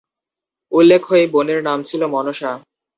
উল্লেখ্য এই বোনের নাম ছিল মনসা।